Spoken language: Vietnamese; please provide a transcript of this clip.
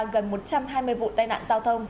gần một trăm hai mươi vụ tai nạn giao thông